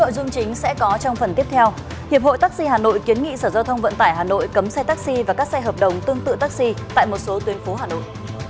điệp hội taxi hà nội kiến nghị sở giao thông vận tải hà nội cấm xe taxi và các xe hợp đồng tương tự taxi tại một số tuyên phố hà nội